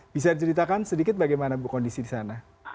bisa diceritakan sedikit bagaimana bu kondisi di sana